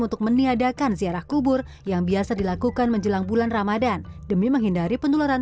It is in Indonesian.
untuk meniadakan ziarah kubur yang biasa dilakukan menjelang bulan ramadhan demi menghindari penularan